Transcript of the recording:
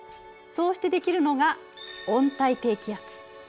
そうして出来るのが「温帯低気圧」。